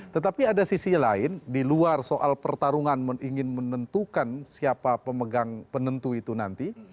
tetapi ada sisi lain di luar soal pertarungan ingin menentukan siapa pemegang penentu itu nanti